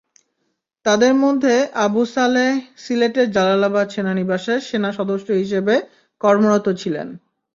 তাঁদের মধ্যে আবু সালেহ সিলেটের জালালাবাদ সেনানিবাসে সেনাসদস্য হিসেবে কর্মরত ছিলেন।